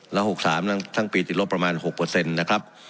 แล้ว๖๓ทั้งปีติดลบประมาณ๖เปอร์เซ็นต์นะครับ